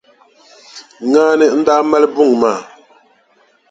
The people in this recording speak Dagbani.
Ŋaani n-daa mali buŋa maa.